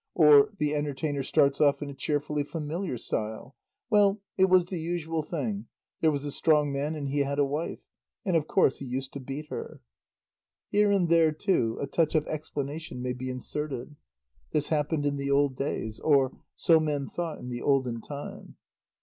Or the entertainer starts off in a cheerfully familiar style: "Well, it was the usual thing; there was a Strong Man, and he had a wife. And, of course, he used to beat her...." Here and there, too, a touch of explanation may be inserted. "This happened in the old days," or "So men thought in the olden time."